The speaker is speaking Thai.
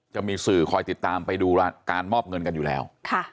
จะมีสื่อคอยติดตามไปดูการมอบเงินกันอยู่แล้ว